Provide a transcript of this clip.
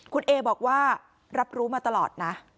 คุณเอบอกว่ารับรู้มาตลอดนะ